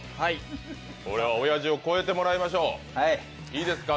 これはおやじを超えてもらいましょう。